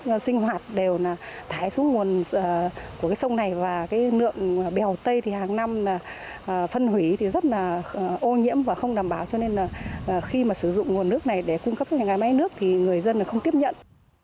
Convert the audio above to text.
nước sinh hoạt đều là thải xuống nguồn của cái sông này và cái lượng bèo tây thì hàng năm là phân hủy thì rất là ô nhiễm và không đảm bảo cho nên là khi mà sử dụng nguồn nước này để cung cấp nhà máy nước thì người dân không tiếp nhận